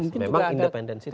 memang independensi itu